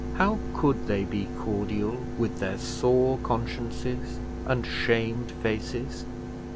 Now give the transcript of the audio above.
how could they be cordial with their sore consciences and shamed faces?